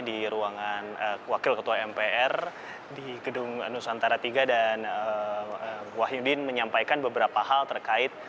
di ruangan wakil ketua mpr di gedung nusantara iii dan wahyudin menyampaikan beberapa hal terkait